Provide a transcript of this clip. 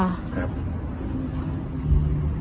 ครับ